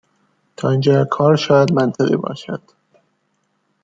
تا اینجای کار شاید منطقی باشد